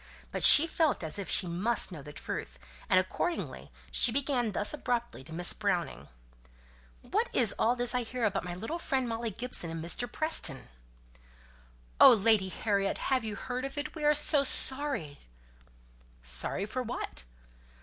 But she felt as if she must know the truth, and accordingly she began thus abruptly to Miss Browning: "What is all this I hear about my little friend Molly Gibson and Mr. Preston?" "Oh, Lady Harriet! have you heard of it? We are so sorry!" "Sorry for what?"